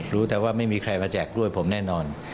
รู้แต่ว่าไม่มีใครมาแจกด้วยผมแน่นอน